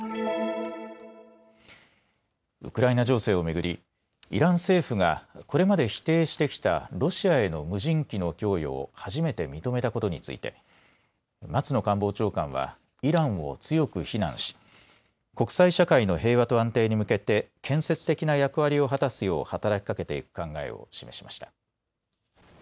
ウクライナ情勢を巡りイラン政府がこれまで否定してきたロシアへの無人機の供与を初めて認めたことについて松野官房長官はイランを強く非難し、国際社会の平和と安定に向けて建設的な役割を果たすよう働きかけていく考えを示しました。